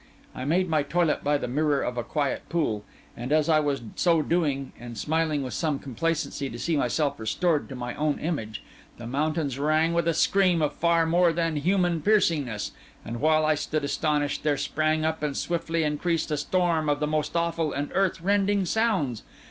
I made my toilet by the mirror of a quiet pool; and as I was so doing, and smiling with some complacency to see myself restored to my own image, the mountains rang with a scream of far more than human piercingness; and while I still stood astonished, there sprang up and swiftly increased a storm of the most awful and earth rending sounds.